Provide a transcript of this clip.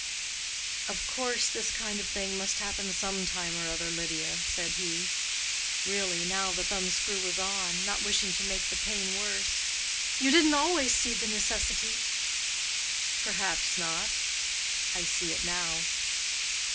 "Of course, this kind of thing must happen some time or other, Lydia," said he; really, now the thumb screw was on, not wishing to make the pain worse. "You didn't always see the necessity." "Perhaps not. I see it now."